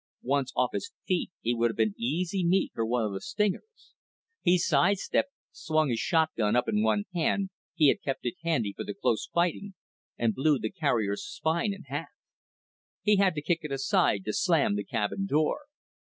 Once off his feet, he would have been easy meat for one of the stingers. He sidestepped, swung his shotgun up in one hand he had kept it handy for the close fighting and blew the carrier's spine in half. He had to kick it aside to slam the cabin door.